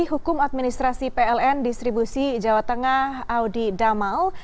hukum administrasi pln distribusi jawa tengah audi damal